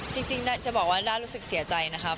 จริงจะบอกว่าน่ารู้สึกเสียใจนะครับ